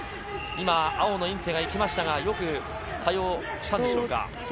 今、青のインツェが行きましたがよく対応したんでしょうか。